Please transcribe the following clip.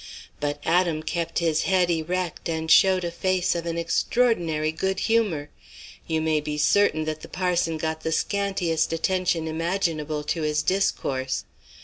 But Adam kept his head erect and showed a face of an extraordinary good humour. You may be certain that the parson got the scantiest attention imaginable to his discourse.